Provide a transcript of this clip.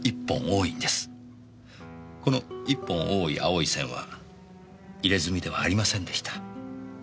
この１本多い青い線は入れ墨ではありませんでした。